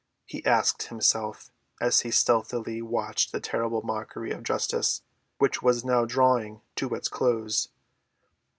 he asked himself as he stealthily watched the terrible mockery of justice which was now drawing to its close.